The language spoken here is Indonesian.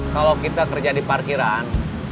kalau kita kerja di parkiran